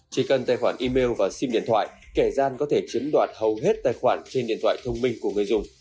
chỉ cần tài khoản email và sim điện thoại kẻ gian có thể chiếm đoạt hầu hết tài khoản trên điện thoại thông minh của người dùng